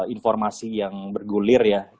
informasi yang bergulir ya